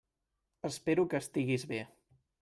Espero que estiguis bé.